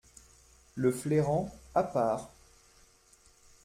Le flairant, à part.